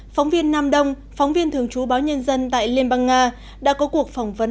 phóng viên nam đông phóng viên thường trú báo nhân dân tại liên bang nga đã có cuộc phỏng vấn